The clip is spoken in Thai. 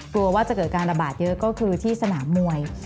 กลัวว่าจะเกิดการระบาดเยอะก็คือที่สนามมวย